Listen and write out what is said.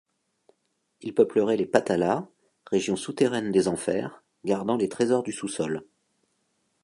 Ils peupleraient les patala, régions souterraines des enfers, gardant les trésors du sous-sol.